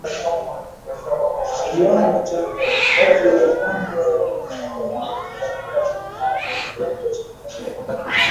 Kiwango cha maambukizi ya ugonjwa wa majimoyo hutegemea kiwango cha kupe